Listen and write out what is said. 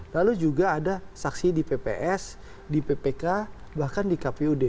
lalu juga ada saksi di pps di ppk bahkan di kpud